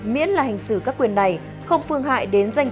miễn là hành xử các quyền này không phương hại đến danh